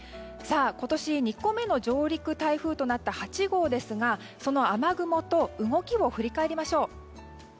今年２個目の上陸台風となった８号ですが、その雨雲と動きを振り返りましょう。